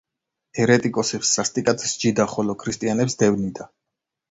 ერეტიკოსებს სასტიკად სჯიდა, ხოლო ქრისტიანებს დევნიდა.